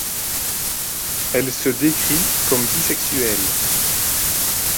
Elle se décrit comme bisexuelle.